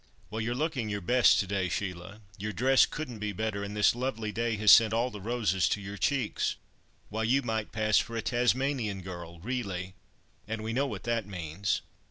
"Well, you're looking your best to day, Sheila! Your dress couldn't be better, and this lovely day has sent all the roses to your cheeks. Why, you might pass for a Tasmanian girl, really—and we know what that means."